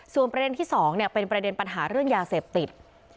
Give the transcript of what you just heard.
ส่วนประเด็นที่๒เป็นประเด็นปัญหาเรื่องยาเสพติด